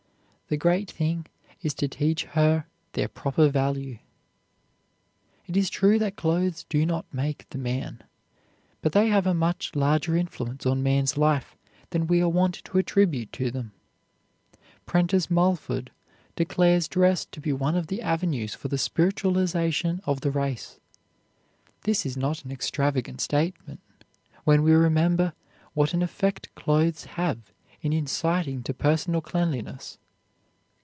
The great thing is to teach her their proper value." It is true that clothes do not make the man, but they have a much larger influence on man's life than we are wont to attribute to them. Prentice Mulford declares dress to be one of the avenues for the spiritualization of the race. This is not an extravagant statement, when we remember what an effect clothes have in inciting to personal cleanliness.